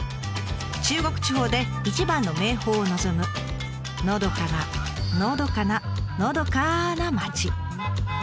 中国地方で一番の名峰を望むのどかなのどかなのどかな町。